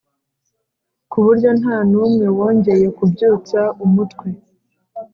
Ku buryo nta n’umwe wongeye kubyutsa umutwe.